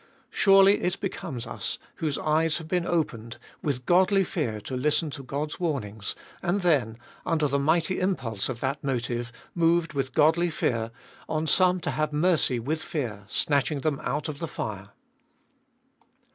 Surely it becomes us, whose eyes have been opened, with godly fear to listen to God's warnings, and then, under the mighty impulse of that motive, moved with godly fear, on some to have mercy with fear, snatching them out of the fire.